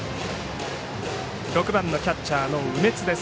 ６番のキャッチャーの梅津です。